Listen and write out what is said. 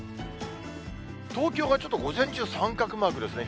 東京はちょっと午前中、三角マークですね。